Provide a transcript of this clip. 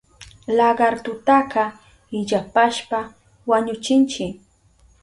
Lagartutaka illapashpa wañuchinchi.